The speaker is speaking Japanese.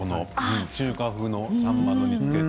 中華風のさんまの煮つけ。